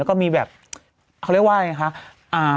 แล้วก็มีแบบเขาเรียกว่าไงคะ